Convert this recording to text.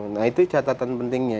nah itu catatan pentingnya